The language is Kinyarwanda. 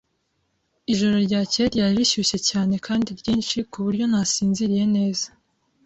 Ijoro ryakeye ryari rishyushye cyane kandi ryinshi, ku buryo ntasinziriye neza.